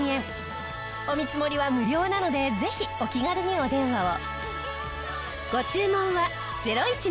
お見積もりは無料なのでぜひお気軽にお電話を。